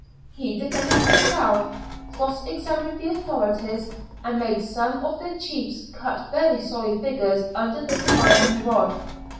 He defended himself, cross examined the authorities, and made some of the chiefs cut very sorry figures under the divining rod.